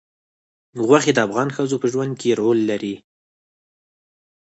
غوښې د افغان ښځو په ژوند کې رول لري.